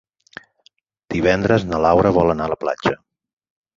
Divendres na Laura vol anar a la platja.